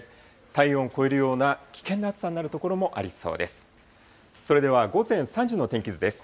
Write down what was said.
体温を超えるような危険な暑さになる所もありそうです。